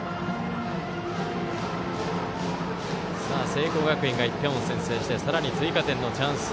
聖光学院が１点を先制してさらに追加点のチャンス。